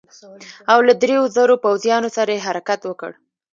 او له دریو زرو پوځیانو سره یې حرکت وکړ.